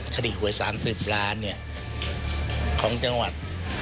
คดีหวย๓๐ล้านของจังหวัด